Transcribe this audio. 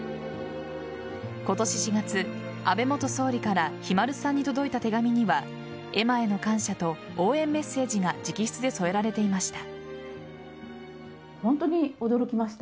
今年４月、安倍元総理からひまるさんに届いた手紙には絵馬への感謝と応援メッセージが直筆で添えられていました。